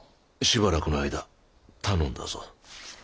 しばらくの間頼んだぞ。